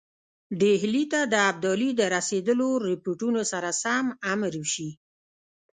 ډهلي ته د ابدالي د رسېدلو رپوټونو سره سم امر وشي.